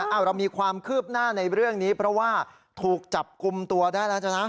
เอาเรามีความคืบหน้าในเรื่องนี้เพราะว่าถูกจับกลุ่มตัวได้แล้วใช่ไหม